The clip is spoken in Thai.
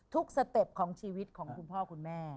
สเต็ปของชีวิตของคุณพ่อคุณแม่